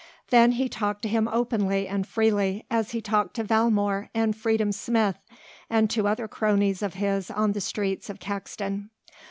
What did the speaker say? Then he talked to him openly and freely as he talked to Valmore and Freedom Smith and to other cronies of his on the streets of Caxton.